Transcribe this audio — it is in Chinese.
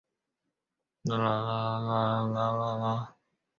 林爽文红花介为鱼形介科红花介属下的一个种。